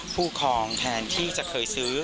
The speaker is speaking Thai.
ครองแทนที่จะเคยซื้อ